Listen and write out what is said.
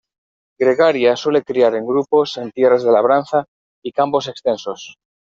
Gregaria, suele criar en grupos, en tierras de labranza y campos extensos.